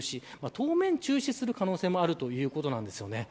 当面中止する可能性もあるということなんです。